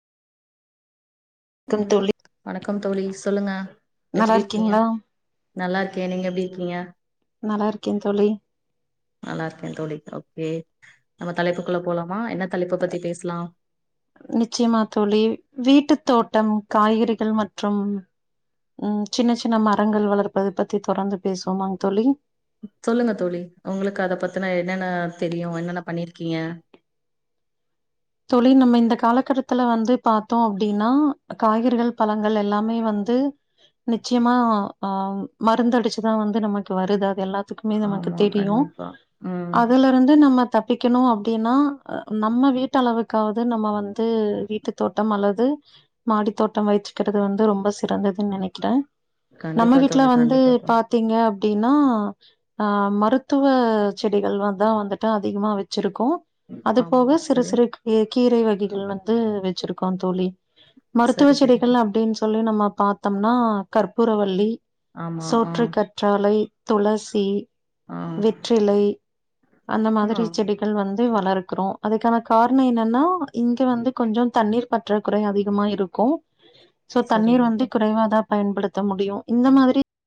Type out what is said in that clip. க்கம் தோழி வணக்கம் தோழி சொல்லுங்க நல்லா எப்டி இருக்கீங்க இருக்கீங்களா நல்லாருக்கே நீங்க எப்டி இருக்கீங்க நல்லாருக்கே தோழி நல்லாருக்கே தோழி ஓகே நம்ம தலைப்புக்குள்ள போலாமா என்ன தலைப்ப பத்தி பேசலா நிச்சயமா தோழி வீட்டு தோட்டம் காய்கறிகள் மற்றும் ம் சின்ன சின்ன மரங்கள் வளர்ப்பது பத்தி தொடர்ந்து பேசுவோமாங் தோழி சொல்லுங்க தோழி உங்களுக்கு அத பத்துன என்னென்ன தெரியு என்னென்ன பண்ணிருக்கீங்க தோழி நம்ம இந்த காலகட்டத்துல வந்து பாத்தோ அப்டின்னா காய்கறிகள் பழங்கள் எல்லாமே வந்து நிச்சயமா ஆ மருந்தடிச்சுதா வந்து நமக்கு வருது அது எல்லாத்துக்குமே நமக்கு ஆமா தெரியு கண்டிப்பா ம் அதுல வந்து நம்ம தப்பிக்கனு அப்டின்னா நம்ம வீ ட்டளவுக்காவ்து நம்ம வந்து வீட்டு தோட்டம் அல்லது மாடி தோட்டம் வைச்சுக்கிறது வந்து ரொம்ப சிறந்ததுன் நெனக்கிறே நம்ம கண்டிப்பா வீட்ல தோழி வந்து கண்டிப்பா தோழி பாத்தீங்க அப்டின்னா ஆ மருத்துவ செடிகள் வந்து தா வந்துட்டு அதிகமா வச்சிருக்கோ அது ஆமா போக சிறு சரி சிறு கீ கீரை வகைகள் வந்து வச்சிருக்கோ தோழி மருத்துவ சரி சரி செடிகள் அப்டின்னு சொல்லி நம்ம பாத்தம்னா கற்பூரவள்ளி ஆமா ஆ சோற்று கற்றாழை துளசி ஆ வெற்றிலை அந்த மாதிரி ஆ செடிகள் வந்து வளர்க்குறோ அதுக்கான காரணோ என்னன்னா இங்க வந்து கொஞ்சோ தண்ணீர் பற்றாக்குறை அதிகமா இருக்கு சோ சரி தண்ணீர் வந்து ஓகே குறைவாதா பயன்படுத்த முடியு இந்த மாதிரி